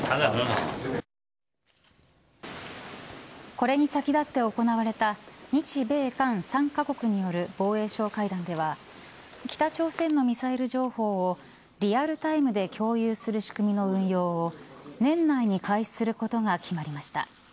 これに先立って行われた日米韓３カ国による防衛相会談では北朝鮮のミサイル情報をリアルタイムで共有する仕組みの運用を年内に開始することが決まりました。